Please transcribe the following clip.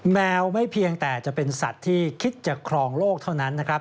แมวไม่เพียงแต่จะเป็นสัตว์ที่คิดจะครองโลกเท่านั้นนะครับ